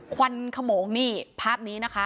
ควันขโมงนี่ภาพนี้นะคะ